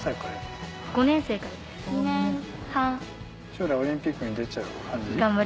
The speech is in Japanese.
将来オリンピックに出ちゃう感じ？